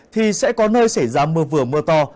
thì sẽ có nơi xảy ra mưa vừa mưa to